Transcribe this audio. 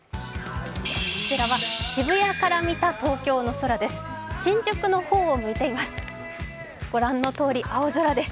こちらは渋谷から見た東京の空です。